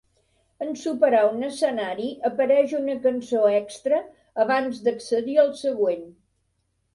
En superar un escenari apareix una cançó extra abans d'accedir al següent.